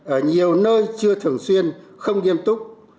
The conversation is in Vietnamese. ở nhiều nơi chưa thường xuyên không nghiêm túc